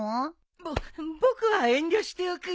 ぼっ僕は遠慮しておくよ。